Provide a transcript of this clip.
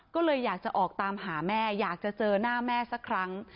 ก็เลยอยากจะออกตามหาแม่อยากจะเจอหน้าแม่สักครั้ง